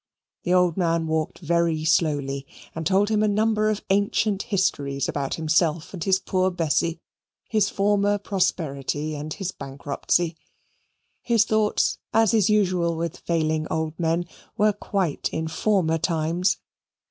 The old man walked very slowly and told a number of ancient histories about himself and his poor Bessy, his former prosperity, and his bankruptcy. His thoughts, as is usual with failing old men, were quite in former times.